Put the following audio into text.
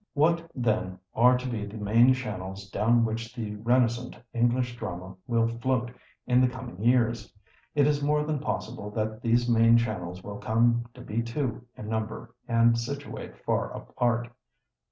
What, then, are to be the main channels down which the renascent English drama will float in the coming years? It is more than possible that these main channels will come to be two in number and situate far apart.